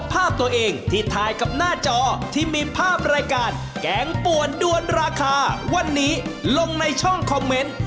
ภาพตัวเองที่ถ่ายกับหน้าจอที่มีภาพรายการแกงป่วนด้วนราคาวันนี้ลงในช่องคอมเมนต์